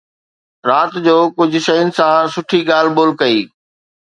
رات جو ڪجهه شين سان سٺي ڳالهه ٻولهه ڪئي